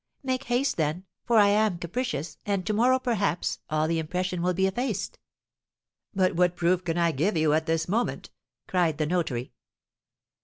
Make haste, then, for I am capricious, and to morrow, perhaps, all the impression will be effaced." "But what proof can I give you at this moment?" cried the notary.